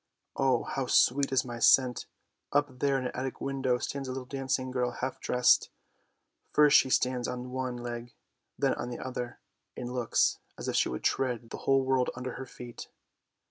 " Oh, how sweet is my scent. Up there in an attic window stands a little dancing girl half dressed; first she stands on one leg, then on the other, and looks as if she would tread the whole world under her feet.